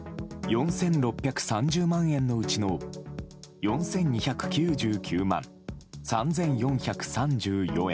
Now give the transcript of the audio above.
４６３０万円のうちの４２９９万３４３４円。